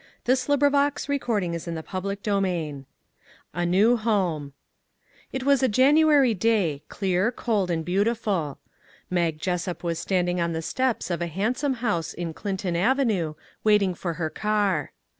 What became of the prince ?" 293 CHAPTER XIX A NEW HOME IT was a January day, clear, cold and beau tiful. Mag Jessup was standing on the steps of a handsome house in Clinton avenue waiting for her car.